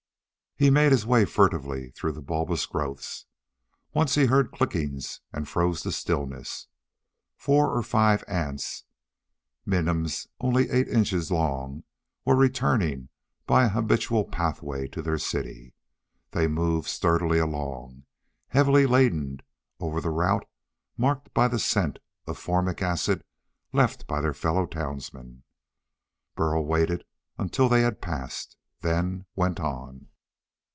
He made his way furtively through the bulbous growths. Once he heard clickings and froze to stillness. Four or five ants, minims only eight inches long, were returning by an habitual pathway to their city. They moved sturdily along, heavily laden, over the route marked by the scent of formic acid left by their fellow townsmen. Burl waited until they had passed, then went on.